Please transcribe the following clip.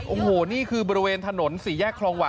โอ้โหนี่คือบริเวณถนนสี่แยกคลองหวา